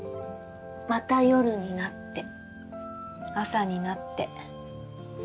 「また夜になって朝になって」